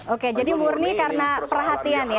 oke jadi murni karena perhatian ya